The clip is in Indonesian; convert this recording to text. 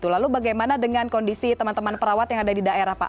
lalu bagaimana dengan kondisi teman teman perawat yang ada di daerah pak